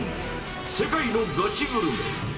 世界のガチグルメ。